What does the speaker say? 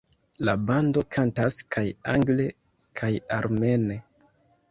La bando kantas kaj angle kaj armene.